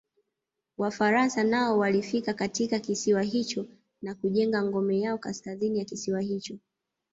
Wafaransa nao walifika katika kisiwa hicho na kujenga ngome yao Kaskazini ya kisiwa hicho